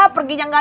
perginya gak jauh